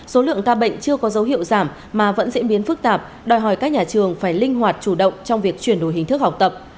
số lượng ca bệnh chưa có dấu hiệu giảm mà vẫn diễn biến phức tạp đòi hỏi các nhà trường phải linh hoạt chủ động trong việc chuyển đổi hình thức học tập